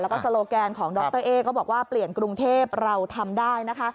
แล้วก็โซโลแกนของดรเอ๊ก็บอกว่าเปลี่ยนกรุงเทพเราทำได้นะคะ